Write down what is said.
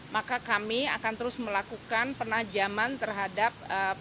maka kami akan terus melakukan penajaman terhadap